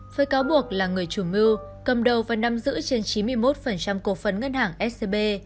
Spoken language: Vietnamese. với cáo buộc là người chủ mưu cầm đầu và nắm giữ trên chín mươi một cổ phấn ngân hàng scb